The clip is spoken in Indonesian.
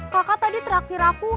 kakak tadi terakhir aku